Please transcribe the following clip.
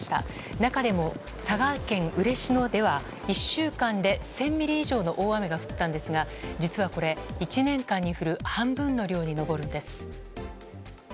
中でも佐賀県嬉野では、１週間で１０００ミリ以上の大雨が降ったんですが実はこれ、１年間に降る半分の雨量に上るんです。